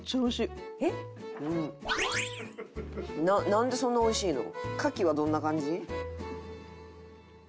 なんでそんなおいしいの？